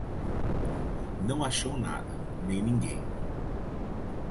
Não achou nada, nem ninguém.